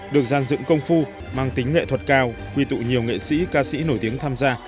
được gian dựng công phu mang tính nghệ thuật cao quy tụ nhiều nghệ sĩ ca sĩ nổi tiếng tham gia